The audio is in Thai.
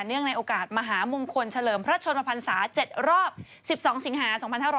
เนื่องในโอกาสมหาบุคคลเฉลิมพระชนมภัณฑ์ศาสตร์๗รอบ๑๒สิงหา๒๕๕๙